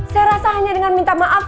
saya rasa hanya dengan minta maaf